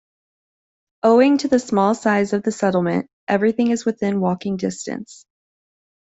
Owing to the small size of the settlement, everything is within walking distance.